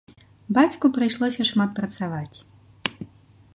Бацьку прыйшлося шмат працаваць.